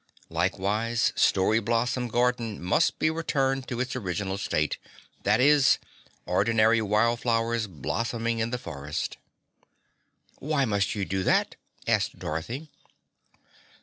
Likewise, Story Blossom Garden must be returned to its original state, that is, ordinary wild flowers blossoming in the forest." "Why must you do that?" asked Dorothy.